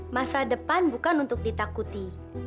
masa depan bukan untuk ditakuti